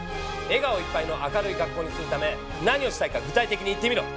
笑顔いっぱいの明るい学校にするため何をしたいか具体的に言ってみろ！